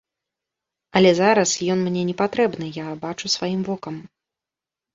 Але зараз ён мне не патрэбны, я бачу сваім вокам.